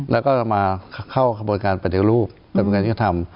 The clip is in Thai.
แล้วก็จะมาเข้าขบวนการปฏิรูปปฏิบัติกธรรม